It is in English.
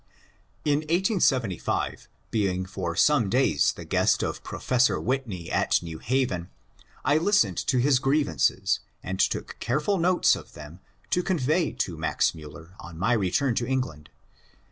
In 1875, being for some days the guest of Professor Whitney at New Haven, I listened to his grievances, and took careful notes of them to convey to Max Miiller on my return to Eng land.